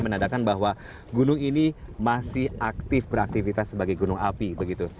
menandakan bahwa gunung ini masih aktif beraktivitas sebagai gunung api begitu